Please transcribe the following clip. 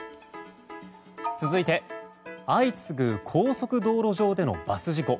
続いて、相次ぐ高速道路上でのバス事故。